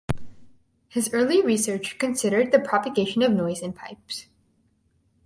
His early research considered the propagation of noise in pipes.